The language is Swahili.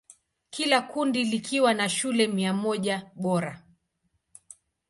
Kila kundi likiwa na shule mia moja bora.